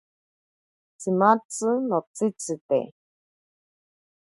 Tsimatzi notsitsite.